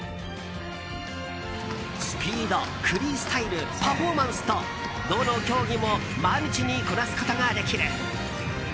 スピード、フリースタイルパフォーマンスとどの競技もマルチにこなすことができる。